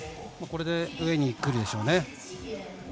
これで上にくるでしょうね。